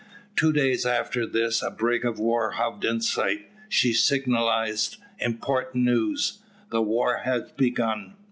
Two days after this a brig of war hove in sight. She signalised "Important news", "The war has begun."